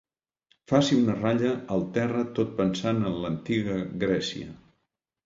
Faci una ratlla al terra tot pensant en l'antiga Grècia.